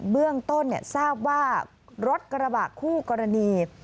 เบื้องต้นทราบว่ารถกระบะคู่กรณี